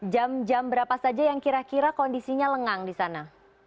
jam jam berapa saja yang kira kira kondisinya lengang di sana